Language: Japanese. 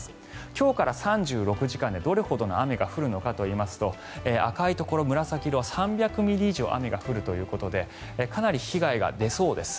今日から３６時間でどれほどの雨が降るかといいますと赤いところ、紫色は３００ミリ以上雨が降るということでかなり被害が出そうです。